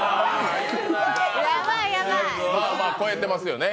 まあまあ、超えてますよね。